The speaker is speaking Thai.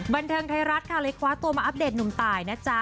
บันเทิงไทยรัฐค่ะเลยคว้าตัวมาอัปเดตหนุ่มตายนะจ๊ะ